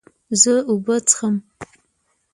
زه اوبه څښم